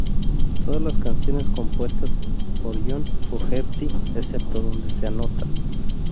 Todas las canciones compuestas por John Fogerty excepto donde se anota.